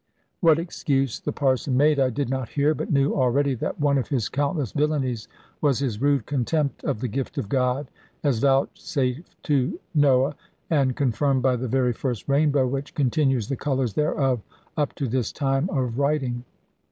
What excuse the Parson made I did not hear, but knew already that one of his countless villanies was his rude contempt of the gift of God, as vouchsafed to Noah, and confirmed by the very first rainbow, which continues the colours thereof up to this time of writing.